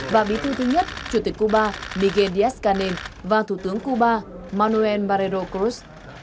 và bí thư thứ nhất chủ tịch cuba miguel díaz canem và thủ tướng cuba manuel barreiro cruz